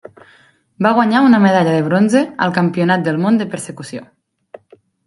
Va guanyar una medalla de bronze al Campionat del món de persecució.